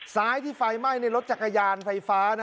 ซ้ายที่ไฟไหม้ในรถจักรยานไฟฟ้า